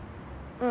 うん。